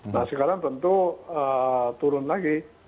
nah sekarang tentu turun lagi